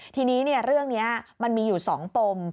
ทีนี้เรื่องนี้มันมีอยู่๒ปม